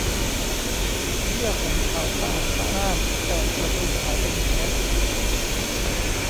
เสื้อของเขาสะอาดสะอ้านแต่กระดุมหายไปหนึ่งเม็ด